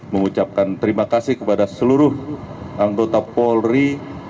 mengucapkan terima kasih kepada seluruh anggota polri